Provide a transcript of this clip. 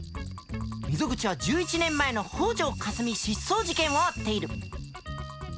溝口は１１年前の北條かすみ失踪事件を追っている。